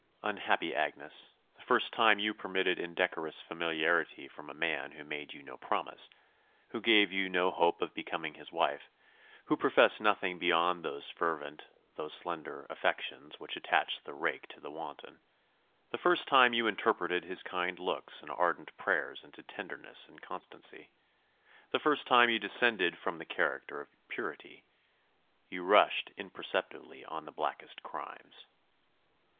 Unhappy Agnes! the first time you permitted indecorous familiarity from a man who made you no promise, who gave you no hope of becoming his wife, who professed nothing beyond those fervent, though slender, affections which attach the rake to the wanton; the first time you interpreted his kind looks and ardent prayers into tenderness and constancy; the first time you descended from the character of purity, you rushed imperceptibly on the blackest crimes.